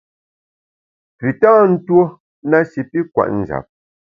Pü tâ ntuo na shi pi kwet njap.